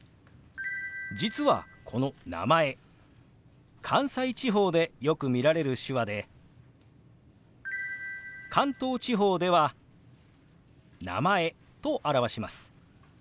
実はこの「名前」関西地方でよく見られる手話で関東地方では「名前」と表します。